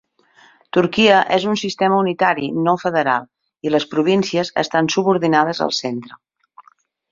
Turquia és un sistema unitari no federal, i les províncies estan subordinades al centre.